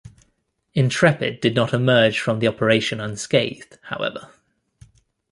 "Intrepid" did not emerge from the operation unscathed, however.